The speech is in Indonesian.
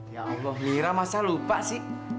ya allah lira masa lupa sih